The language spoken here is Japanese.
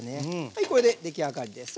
はいこれで出来上がりです。